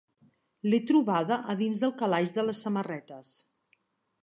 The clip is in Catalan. L'he trobada a dins del calaix de les samarretes.